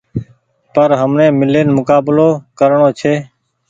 پر همني ميلين مڪبلو ڪرڻو ڇي